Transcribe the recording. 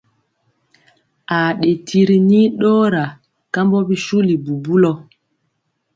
Aa ɗe tiri nii ɗɔɔra kambɔ bisuli bubulɔ.